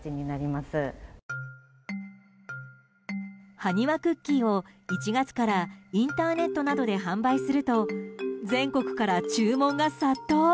ハニワクッキーを１月からインターネットなどで販売すると全国から注文が殺到。